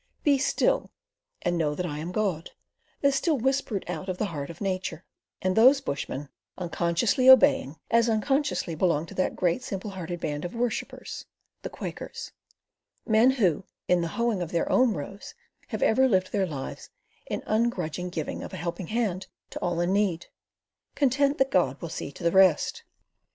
"Be still, and know that I am God," is still whispered out of the heart of Nature, and those bushmen, unconsciously obeying, as unconsciously belong to that great simple hearted band of worshippers, the Quakers; men who, in the hoeing of their own rows have ever lived their lives in the ungrudging giving of a helping hand to all in need, content that God will see to the rest.